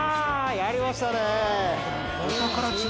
やりましたね。